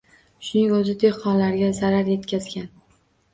Shuning o‘zi dehqonlarga zarar yetkazgan.